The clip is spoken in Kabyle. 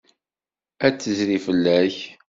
Ad d-tezri fell-ak.